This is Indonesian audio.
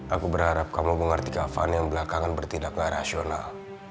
aku berharap kamu mengerti keafan yang belakangan bertindak gak rasional